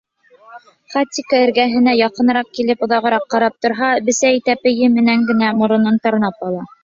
Хатико эргәһенә яҡыныраҡ килеп оҙағыраҡ ҡарап торһа, бесәй тәпәйе менән генә моронон тырнап ала.